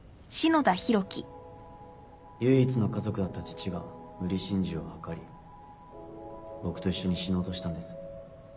唯一の家族だった父が無理心中を図り僕と一緒に死のうとしたんです。